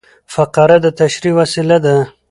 فقره د تشریح وسیله ده.